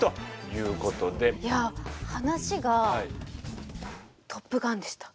いやあ話が「トップガン」でした。